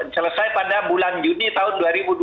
selesai pada bulan juni tahun dua ribu dua puluh